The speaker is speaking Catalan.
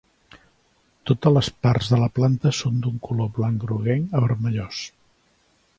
Totes les parts de la planta són d'un color blanc groguenc a vermellós.